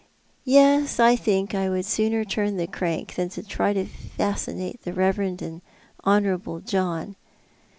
Yes, I think I would sooner turn the crank than try to fascinate the reverend and honour able John.